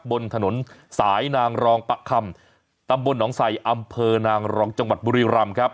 บนถนนสายนางรองปะคำตำบลหนองใส่อำเภอนางรองจังหวัดบุรีรำครับ